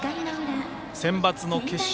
センバツの決勝